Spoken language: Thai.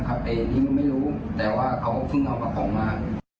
เขาบอกว่าที่ผ่านก่อนไม่รู้แต่ว่าเขาเพิ่งเอาปล่องมา